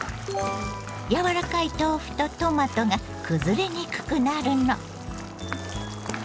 やわらかい豆腐とトマトがくずれにくくなるの。